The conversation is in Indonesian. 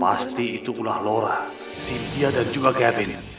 pasti itulah laura cynthia dan juga gavin